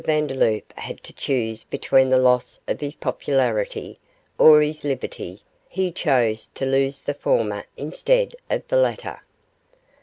Vandeloup had to choose between the loss of his popularity or his liberty, he chose to lose the former instead of the latter.